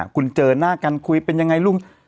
คุณเจอหน้ากันคุยเป็นยังไงลุง